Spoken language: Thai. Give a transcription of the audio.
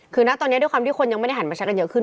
คือนะตอนนี้ด้วยความที่คนยังไม่ได้หันมาแชทกันเยอะขึ้น